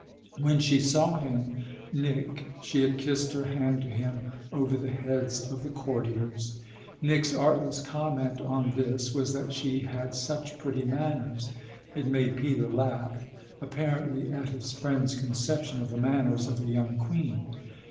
When she saw him, Nick, she had kissed her hand to him over the heads of the courtiers. Nick's artless comment on this was that she had such pretty manners. It made Peter laugh apparently at his friend's conception of the manners of a young queen.